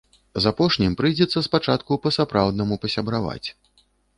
З апошнім прыйдзецца спачатку па-сапраўднаму пасябраваць.